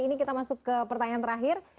ini kita masuk ke pertanyaan terakhir